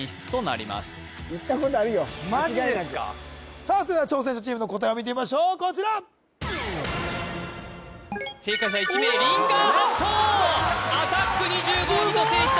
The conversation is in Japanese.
さあそれでは挑戦者チームの答えを見てみましょうこちら正解者１名リンガーハット「アタック２５」を制した